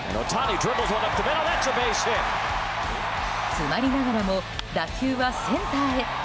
詰まりながらも打球はセンターへ。